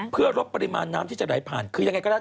เพื่อลดปริมาณน้ำที่จะไหลผ่านคือยังไงก็แล้ว